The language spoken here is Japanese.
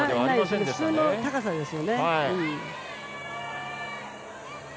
普通の高さですよね。